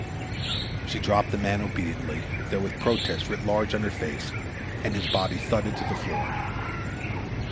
She dropped the man obediently, though with protest writ large on her face; and his body thudded to the floor.